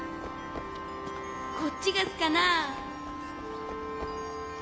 こっちがすかな？